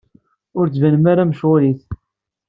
Ur d-tettbanem ara mecɣulit.